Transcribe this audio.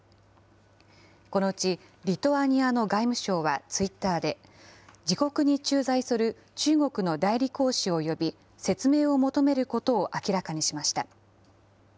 このうちリトアニアの外務省はツイッターで、自国に駐在する中国の代理公使を呼び、説明を求めることを明らかにしました。